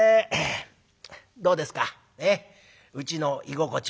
「どうですかうちの居心地は」。